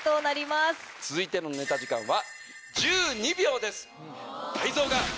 続いてのネタ時間は。